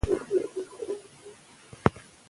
هره کورنۍ چې روغ عادتونه ولري، درملنې ته نه مجبوره کېږي.